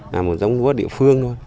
là một giống lúa địa phương thôi